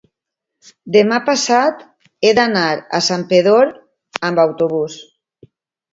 demà passat he d'anar a Santpedor amb autobús.